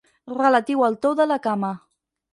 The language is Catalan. Relatiu al tou de la cama.